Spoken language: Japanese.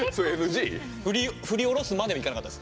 振り下ろすまではいかなかったです。